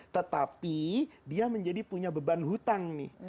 tetapi dia menjadi punya beban hutang nih